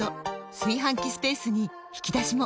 炊飯器スペースに引き出しも！